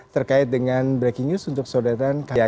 terkait dengan breaking news untuk saudara dan kakak